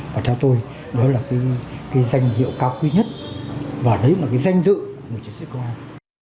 và theo tôi đó là cái danh hiệu cao quý nhất và đấy là cái danh dự của chiến sĩ công an